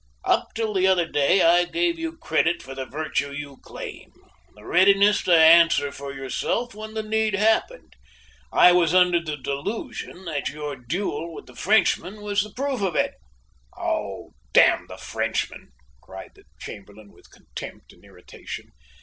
"Up till the other day I gave you credit for the virtue you claim the readiness to answer for yourself when the need happened. I was under the delusion that your duel with the Frenchman was the proof of it." "Oh, damn the Frenchman!" cried the Chamberlain with contempt and irritation.